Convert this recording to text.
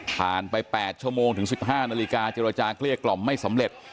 ผ่านไป๘ชั่วโมงถึง๑๕นาฬิกาเจรจาเกลี้ยกล่อมไม่สำเร็จ